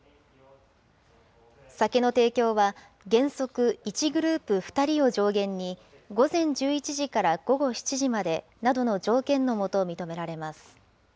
酒の提供は原則、１グループ２人を上限に、午前１１時から午後７時までなどの条件の下、認められます。